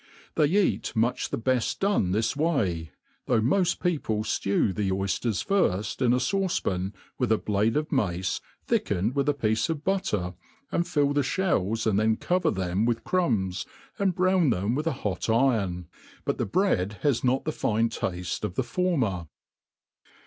They eat much the befl done tbie way, though moft people ftew the oyfters firft in a fauce pan» with a blade of mace, thickened with a piece of buUer, and fill the (hells, and then cover them with crumbs, and brown them with a hot iron ; but the bread bat not the fine tafte of the former.